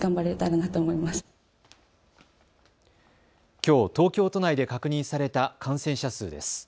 きょう東京都内で確認された感染者数です。